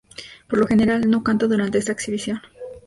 Por lo general, no canta durante esta exhibición.